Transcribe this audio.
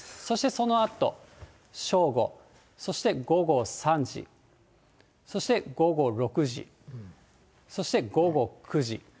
そしてそのあと正午、そして午後３時、そして午後６時、そして午後９時。